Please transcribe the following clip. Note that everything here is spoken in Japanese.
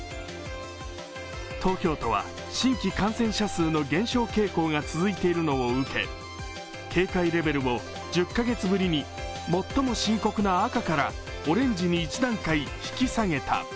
東京都は、新規感染者数の減少傾向が続いているのを受け警戒レベルを１０カ月ぶりに、最も深刻な赤からオレンジに１段階引き下げた。